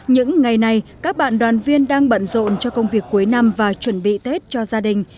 những ngày này các bạn đoàn viên đang bận rộn cho công việc cuối năm và chuẩn bị tết cho gia đình